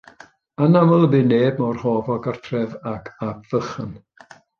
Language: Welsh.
Anaml y bu neb mor hoff o gartref ag Ap Vychan.